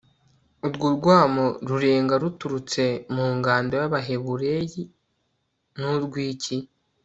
urwo rwamo rurenga ruturutse mu ngando y'abahebureyi ni urw'iki